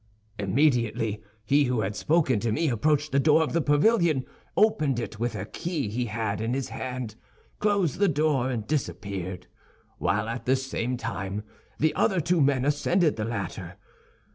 Immediately, he who had spoken to me approached the door of the pavilion, opened it with a key he had in his hand, closed the door and disappeared, while at the same time the other two men ascended the ladder.